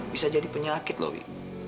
bisa jadi penyakit loh ibu